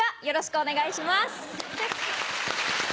よろしくお願いします。